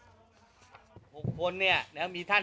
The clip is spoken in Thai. ตามประมวลกฎหมายอาญามาตรา๑๑๒หรือข้อหาอื่นใดกับสินแสโชคคุณ